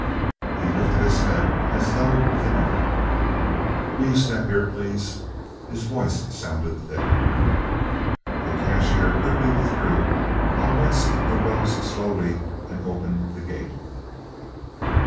He lifted his head as though with an effort. "Will you step here, please?" His voice sounded thick. The cashier quickly withdrew while Wentz arose slowly and opened the gate.